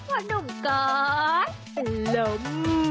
วันนุ่มก็อดล้ม